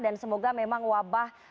dan semoga memang wabah